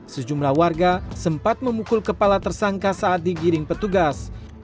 sejumlah warga sempat memukul kepala tersangka saat digiring petugas